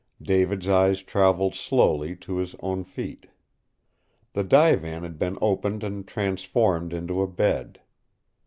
David's eyes traveled slowly to his own feet. The divan had been opened and transformed into a bed.